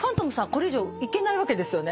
これ以上行けないわけですよね。